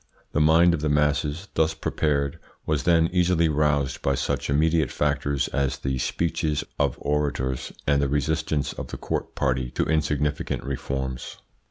The mind of the masses, thus prepared, was then easily roused by such immediate factors as the speeches of orators, and the resistance of the court party to insignificant reforms.